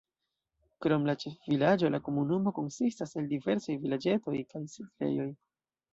Krom la ĉefvilaĝo la komunumo konsistas el diversaj vilaĝetoj kaj setlejoj.